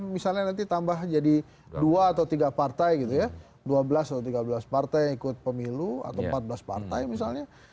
misalnya nanti tambah jadi dua atau tiga partai gitu ya dua belas atau tiga belas partai yang ikut pemilu atau empat belas partai misalnya